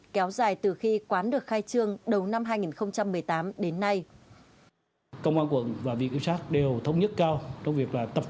kéo dài từ khi quán được khai trị